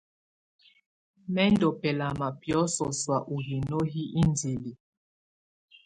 Mɛ ndù bɛlama biɔ̀sɔ sɔ̀á u hino hi indili.